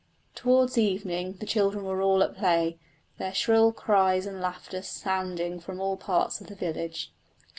Towards evening the children were all at play, their shrill cries and laughter sounding from all parts of the village.